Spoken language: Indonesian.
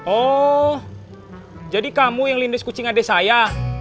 oh jadi kamu yang lindis kucing adik saya